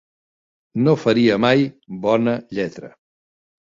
No faria mai bona lletra